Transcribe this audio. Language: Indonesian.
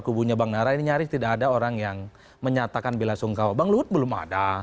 kubunya bang nara ini nyaris tidak ada orang yang menyatakan bela sungkawa bang luhut belum ada